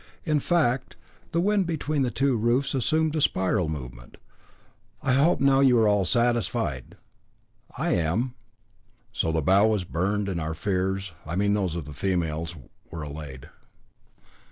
In fact, the wind between the two roofs assumed a spiral movement. I hope now you are all satisfied. I am." So the bough was burned, and our fears I mean those of the females were allayed.